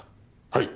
はい。